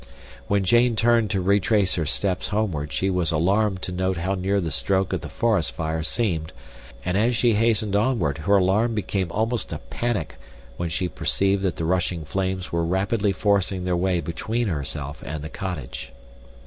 When Jane turned to retrace her steps homeward, she was alarmed to note how near the smoke of the forest fire seemed, and as she hastened onward her alarm became almost a panic when she perceived that the rushing flames were rapidly forcing their way between herself and the cottage.